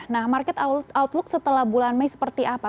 nah market outlook setelah bulan mei seperti apa